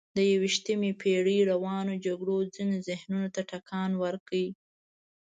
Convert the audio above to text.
د یویشتمې پېړۍ روانو جګړو ځینو ذهنونو ته ټکان ورکړ.